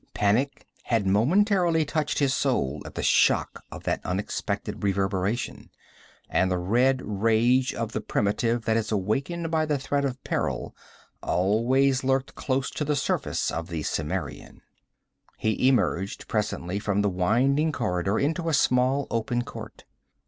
Panic had momentarily touched his soul at the shock of that unexpected reverberation, and the red rage of the primitive that is wakened by threat of peril always lurked close to the surface of the Cimmerian. He emerged presently from the winding corridor into a small open court.